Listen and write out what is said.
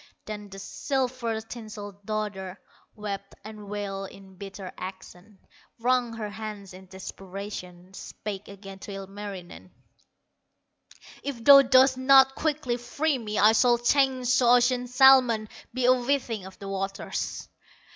Then the silver tinselled daughter Wept and wailed in bitter accents, Wrung her hands in desperation, Spake again to Ilmarinen: "If thou dost not quickly free me, I shall change to ocean salmon, Be a whiting of the waters."